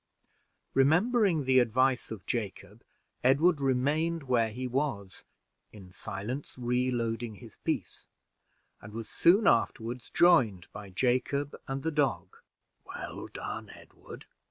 Remembering the advice of Jacob, Edward remained where he was, in silence reloading his piece, and was soon afterward joined by Jacob and the dog. "Well done, Edward!"